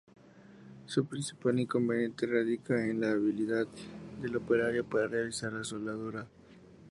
Su principal inconveniente radica en la habilidad del operario para realizar la soldadura.